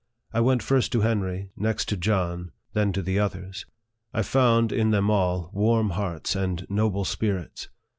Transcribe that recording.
I went first to Henry, next to John, then to the others. I found, in them all, warm hearts and noble spirits.